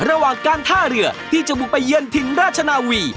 ระหว่างการท่าเรือที่จะบุกไปเยือนถึงราชนาวี